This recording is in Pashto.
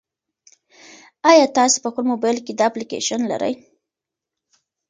ایا تاسي په خپل موبایل کې دا اپلیکیشن لرئ؟